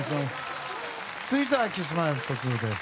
続いてはＫｉｓ‐Ｍｙ‐Ｆｔ２です。